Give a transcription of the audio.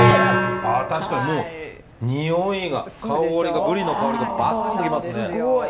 ああ確かにもうにおいが香りがブリの香りがバスンと来ますね。